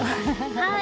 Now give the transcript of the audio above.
はい！